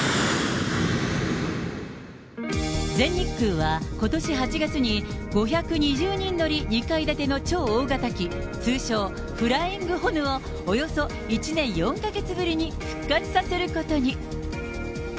全日空はことし８月に、５２０人乗り２階建ての超大型機、通称フライングホヌを、およそ１年４か月ぶりに復活させることに。